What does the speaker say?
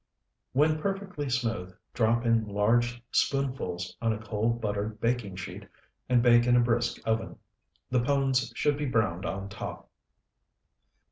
When perfectly smooth, drop in large spoonfuls on a cold buttered baking sheet and bake in a brisk oven. The pones should be browned on top.